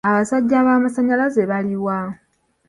Abasajja b'amasaanyalaze biri wa?